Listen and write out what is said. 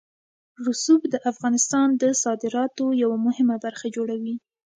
رسوب د افغانستان د صادراتو یوه مهمه برخه جوړوي.